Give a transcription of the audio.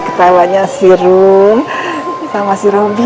ketawanya si rum sama si robby